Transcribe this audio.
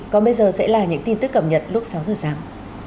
còn bây giờ sẽ là những tin tức cầm nhận lúc sáu giờ sáng